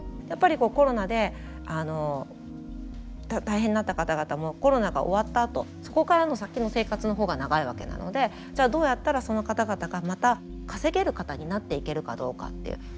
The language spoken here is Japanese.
やっぱりコロナで大変になった方々もコロナが終わったあとそこからの先の生活の方が長いわけなのでじゃあどうやったらその方々がまた稼げる方になっていけるかどうかっていう。